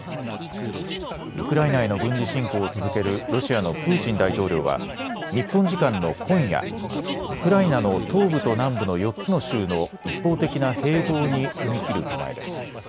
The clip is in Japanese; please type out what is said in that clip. ウクライナへの軍事侵攻を続けるロシアのプーチン大統領は日本時間の今夜、ウクライナの東部と南部の４つの州の一方的な併合に踏み切る構えです。